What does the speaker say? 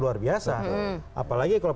luar biasa apalagi kalau